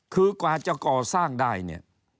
คือกว่าจะก่อสร้างได้